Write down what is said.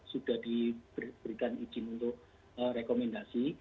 sudah diberikan izin untuk rekomendasi